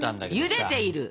ゆでている？